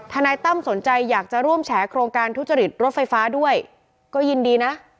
นายตั้มสนใจอยากจะร่วมแฉโครงการทุจริตรถไฟฟ้าด้วยก็ยินดีนะ